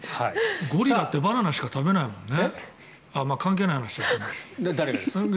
ゴリラってバナナしか食べないよね？